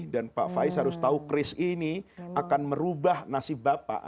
dan pak faiz harus tahu keris ini akan merubah nasib bapak